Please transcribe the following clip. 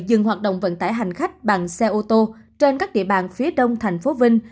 dừng hoạt động vận tải hành khách bằng xe ô tô trên các địa bàn phía đông tp vinh